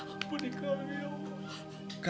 ampuni kami ya allah